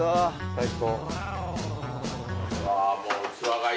最高。